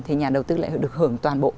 thì nhà đầu tư lại được hưởng toàn bộ